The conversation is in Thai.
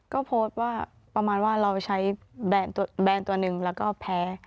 ก็โพสต์ว่าประมาณว่าเราใช้แบรนด์ตัวหนึ่งแล้วก็แพ้